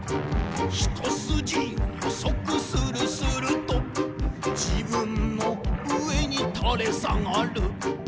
「一すじ細くするすると」「自分の上に垂れ下がる」